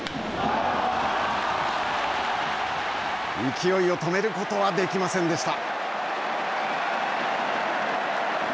勢いを止めることはできませんでした。